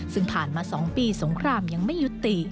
ซึ่งผ่านมา๒ปีสงครามยังไม่ยุติ